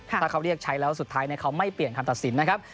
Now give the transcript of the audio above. ถ้าเขาเรียกใช้แล้วสุดท้ายเขาไม่เปลี่ยนคำตัดสินนะครับ